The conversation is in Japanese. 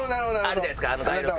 あるじゃないですかあの街録。